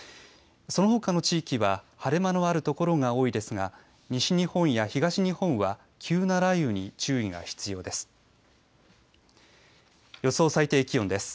そのほかの地域は晴間のあるところが多いですが西日本や東日本は急な雷雨に注意が必要です。